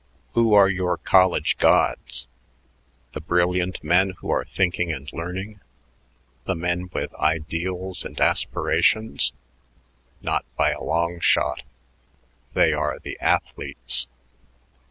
"Who are your college gods? The brilliant men who are thinking and learning, the men with ideals and aspirations? Not by a long shot. They are the athletes.